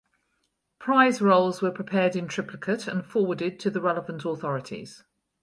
Prize rolls were prepared in triplicate and forwarded to the relevant authorities.